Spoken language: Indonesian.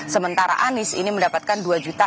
sementara anis ini mendapatkan dua enam ratus lima puluh tiga